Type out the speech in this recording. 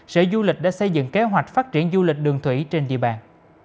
sở du lịch đã xây dựng kế hoạch phát triển du lịch đường thủy trên địa bàn